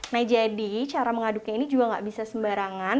nah jadi cara mengaduknya ini juga gak bisa sembarangan